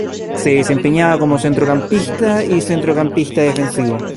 Se desempeñaba como centrocampista y centrocampista defensivo.